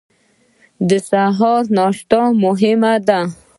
د سهار ناشته مهمه ده